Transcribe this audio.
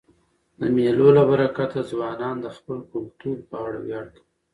د مېلو له برکته ځوانان د خپل کلتور په اړه ویاړ کوي.